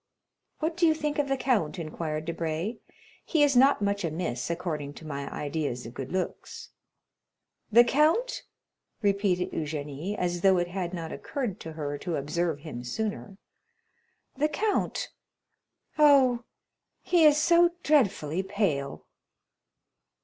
"What do you think of the count?" inquired Debray; "he is not much amiss, according to my ideas of good looks." "The count," repeated Eugénie, as though it had not occurred to her to observe him sooner; "the count?—oh, he is so dreadfully pale."